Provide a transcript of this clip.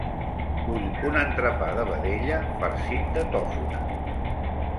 Vull un entrepà de vedella farcit de tòfona.